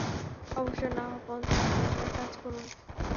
অবসর না হওয়া পর্যন্ত আপনি আপনার কাজ করুন।